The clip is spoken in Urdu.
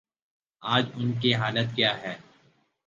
آج ان کی حالت کیا ہے؟